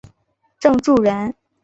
郑注人。